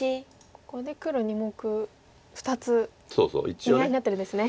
ここで黒２目２つ見合いになってるんですね。